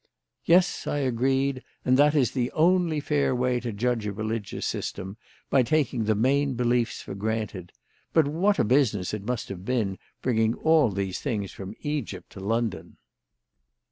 "Yes," I agreed, "and that is the only fair way to judge a religious system, by taking the main beliefs for granted. But what a business it must have been, bringing all these things from Egypt to London."